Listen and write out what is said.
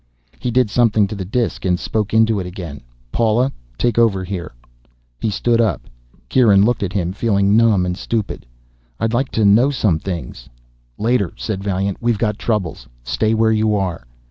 He did something to the disk and spoke into it again. "Paula, take over here." He stood up. Kieran looked up at him, feeling numb and stupid. "I'd like to know some things." "Later," said Vaillant. "We've got troubles. Stay where you are."